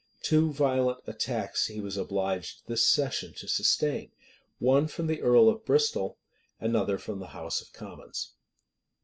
Two violent attacks he was obliged this session to sustain, one from the earl of Bristol, another from the house of commons.